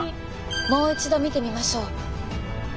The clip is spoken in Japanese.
もう一度見てみましょう。